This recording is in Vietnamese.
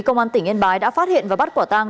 công an tỉnh yên bái đã phát hiện và bắt quả tang